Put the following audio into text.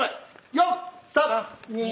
４３２。